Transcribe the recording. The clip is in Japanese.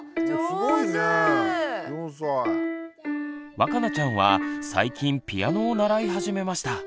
わかなちゃんは最近ピアノを習い始めました。